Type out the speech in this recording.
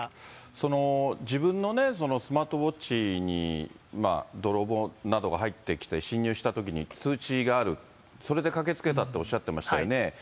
その自分のね、スマートウォッチに泥棒などが入ってきて侵入したときに通知がある、それで駆けつけたっておっしゃってましたよね。